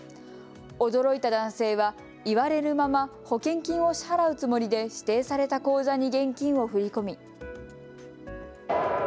驚いた男性は言われるまま保険金を支払うつもりで指定された口座に現金を振り込み。